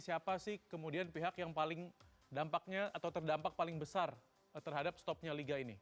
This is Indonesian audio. siapa sih kemudian pihak yang paling dampaknya atau terdampak paling besar terhadap stopnya liga ini